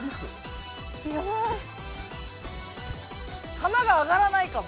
球が上がらないかも。